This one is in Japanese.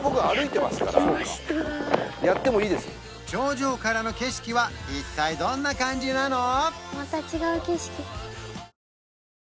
頂上からの景色は一体どんな感じなの？